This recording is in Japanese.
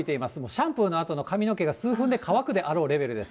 シャンプーのあとの髪の毛が数分で乾くであろうレベルです。